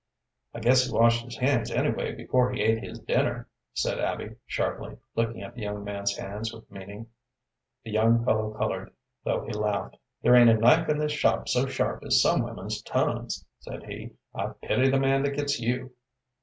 "I guess he washed his hands, anyway, before he ate his dinner," said Abby, sharply, looking at the young man's hands with meaning. The young fellow colored, though he laughed. "There ain't a knife in this shop so sharp as some women's tongues," said he. "I pity the man that gets you."